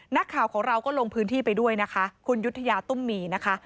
นักข่าวของเราก็ลงพื้นที่ไปด้วยนะคะคุณยุธยาตุ้มมีนะคะ